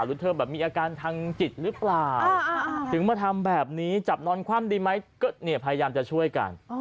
หรือคุณดีถึงมาทำแบบนี้จับนอนคว่ำดีไหมก็เนี่ยพยายามจะช่วยกัน